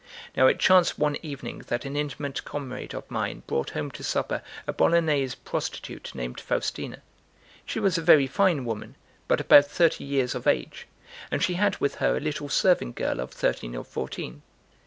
Now it chanced one evening that an intimate comrade of mine brought home to supper a Bolognese prostitute named Faustina. She was a very fine woman, but about thirty years of age; and she had with her a little serving girl of thirteen or fourteen.